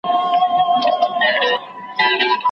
د قاتل تر شا د غره په څېر ولاړ وي